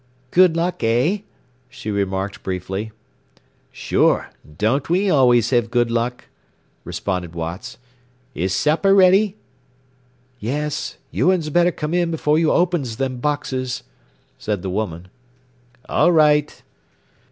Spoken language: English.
"Good luck, eh?" she remarked briefly. "Sure. Don't we always have good luck?" responded Watts. "Is supper ready?" "Yes. You uns better come in before you opens them boxes," said the woman. "All right."